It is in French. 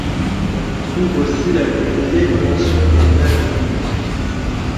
On y trouve aussi la plus vieille mention d'un alambic.